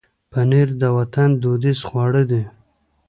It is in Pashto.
پنېر د وطن دودیز خواړه دي.